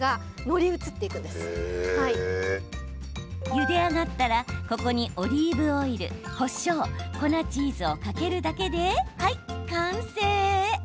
ゆで上がったら、ここにオリーブオイル、こしょう粉チーズをかけるだけではい完成。